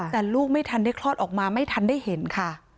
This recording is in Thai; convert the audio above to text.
แต่ลูกไม่ทันได้คลอดออกมาไม่ทันได้เห็นค่ะ